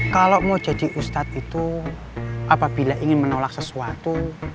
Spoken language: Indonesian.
kalau mau jadi ustadz itu apabila ingin menolak sesuatu